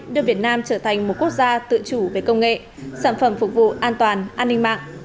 đưa việt nam trở thành một quốc gia tự chủ về công nghệ sản phẩm phục vụ an toàn an ninh mạng